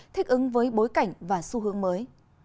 thích ứng với bối cảnh và xu hướng mới